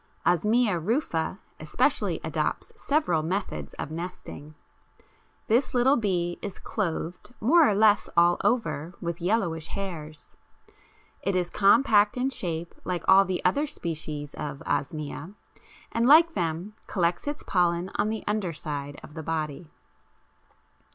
Osmia rufa especially adopts several methods of nesting. This little bee is clothed more or less all over with yellowish hairs; it is compact in shape like all the other species of Osmia, and like them collects its pollen on the underside of the body.